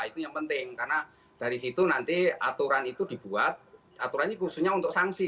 itu yang penting karena dari situ nanti aturan itu dibuat aturannya khususnya untuk sanksi